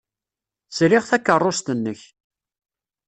Sriɣ takeṛṛust-nnek.